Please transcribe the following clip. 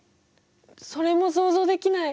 それも想像できない。